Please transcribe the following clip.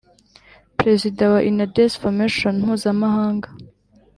Perezida wa Inades Formation Mpuzamahanga